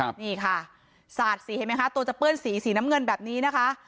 นี่ค่ะสาดสีเห็นไหมคะตัวจะเปื้อนสีสีน้ำเงินแบบนี้นะคะ